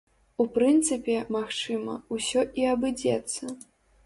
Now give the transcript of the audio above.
У прынцыпе, магчыма, усё і абыдзецца.